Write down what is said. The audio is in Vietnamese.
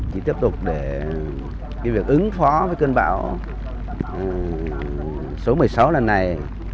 thì tiếp tục để cái việc ứng phó với cơn bão số một mươi sáu lần này